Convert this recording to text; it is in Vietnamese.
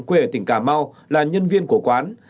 quê ở tỉnh cà mau là nhân viên của quán